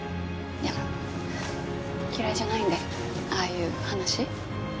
いや嫌いじゃないんでああいう話。